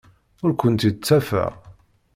Ur kent-id-ttafeɣ.